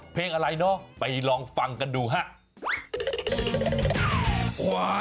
เพลงอะไรเนาะไปลองฟังกันดูฮะ